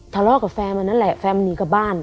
ทะเลาะกับแฟนอันนั้นแหละแฟนมันหนีกลับบ้าน